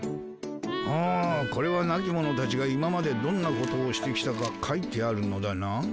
おこれはなき者たちが今までどんなことをしてきたか書いてあるのだな。